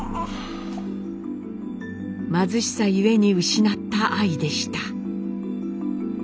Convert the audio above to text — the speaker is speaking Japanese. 貧しさゆえに失った愛でした。